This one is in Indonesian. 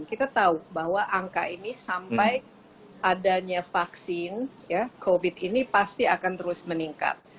kita tahu bahwa angka ini sampai adanya vaksin covid ini pasti akan terus meningkat